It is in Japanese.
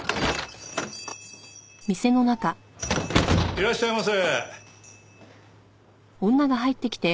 いらっしゃいませ。